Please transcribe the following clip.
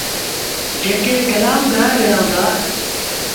جيڪي ڪلآم ڳآئي رهيآ هُݩدآ۔